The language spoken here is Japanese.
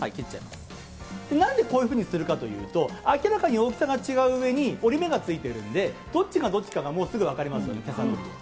なんでこういうふうにするかというと、明らかに大きさが違ううえに、折り目がついているんで、どっちがどっちかが、もうすぐ分かりますよね、手先で。